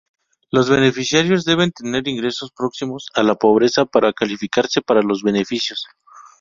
Los beneficiarios deben tener ingresos próximos a la pobreza para calificarse para los beneficios.